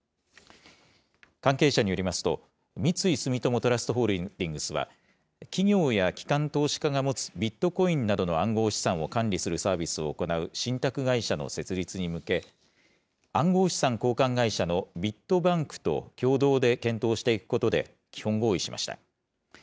関係者によりますと、三井住友トラスト・ホールディングスは企業や機関投資家が持つビットコインなどの暗号資産を管理するサービスを行う信託会社の設立に向け、暗号資産交換会社のビットバンクと共同で検討していくことで、基本合意しました。